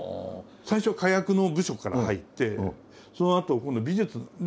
最初火薬の部署から入ってそのあと今度は美術。